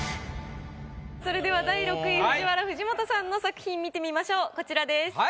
それでは第６位ＦＵＪＩＷＡＲＡ・藤本さんの作品見てみましょうこちらです。